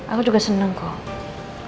aku juga seneng kok